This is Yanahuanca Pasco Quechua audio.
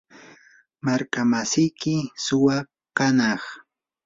markamasiyki suwa kanaq.